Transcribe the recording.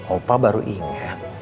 opa baru inget